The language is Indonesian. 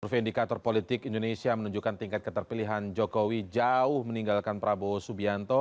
survei indikator politik indonesia menunjukkan tingkat keterpilihan jokowi jauh meninggalkan prabowo subianto